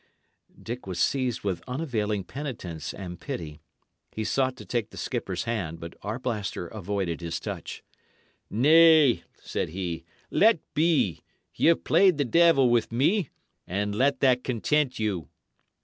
'" Dick was seized with unavailing penitence and pity; he sought to take the skipper's hand, but Arblaster avoided his touch. "Nay," said he, "let be. Y' have played the devil with me, and let that content you."